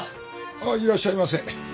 あっいらっしゃいませ。